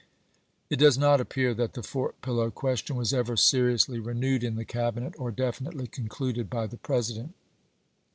It does not appear that the Fort Pillow question was ever seriously renewed in the Cabinet or defiuitely con cluded by the President.